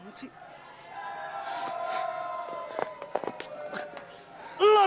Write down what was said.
kamu jadi harus pergi dari sana